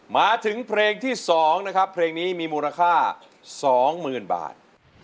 มาถึงเพลงที่๒นะครับเพลงนี้มีมูลค่า๒๐๐๐บาท